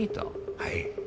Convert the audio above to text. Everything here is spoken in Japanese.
はい。